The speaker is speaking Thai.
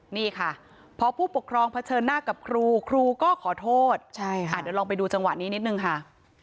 นี่ค่ะพอผู้ปกครองเผชิญหน้ากับครูครูก็ขอโทษเดี๋ยวลองไปดูจังหวะนี้นิดนึงค่ะ